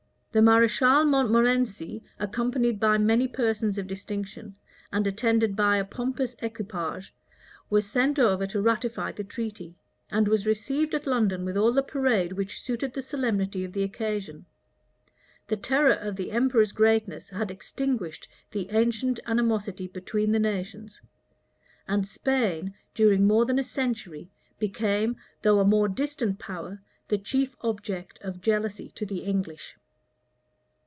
The mareschal Montmorency, accompanied by many persons of distinction, and attended by a pompous equipage, was sent over to ratify the treaty; and was received at London with all the parade which suited the solemnity of the occasion. The terror of the emperor's greatness had extinguished the ancient animosity between the nations; and Spain, during more than a century, became, though a more distant power, the chief object of jealousy to the English.